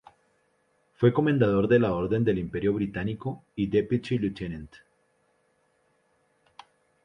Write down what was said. Fue comendador de la Orden del Imperio Británico y "Deputy Lieutenant".